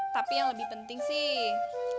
tapi yang lebih penting sih